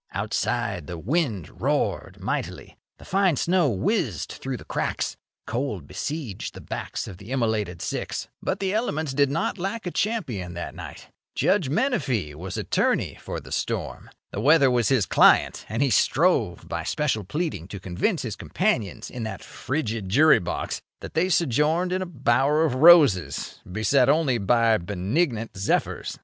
Outside the wind roared mightily, the fine snow whizzed through the cracks, the cold besieged the backs of the immolated six; but the elements did not lack a champion that night. Judge Menefee was attorney for the storm. The weather was his client, and he strove by special pleading to convince his companions in that frigid jury box that they sojourned in a bower of roses, beset only by benignant zephyrs.